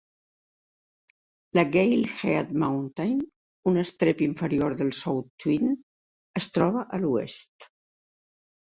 La Galehead Mountain, un estrep inferior del South Twin, es troba a l'oest.